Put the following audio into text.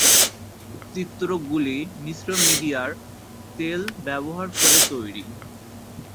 চিত্রগুলি মিশ্র মিডিয়ায় তেল ব্যবহার করে তৈরী।